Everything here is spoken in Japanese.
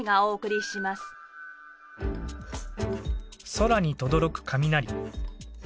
空にとどろく雷。